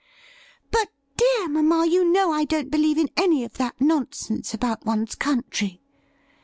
' But, dear mamma, you know I don't believe in any of that nonsense about one's country.